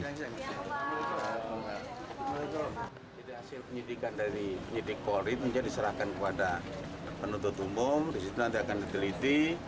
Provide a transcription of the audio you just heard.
jadi hasil penyidikan dari penyidik polri itu diserahkan kepada penuntut umum disitu nanti akan diteliti